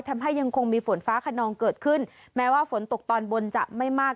ยังคงมีฝนฟ้าขนองเกิดขึ้นแม้ว่าฝนตกตอนบนจะไม่มาก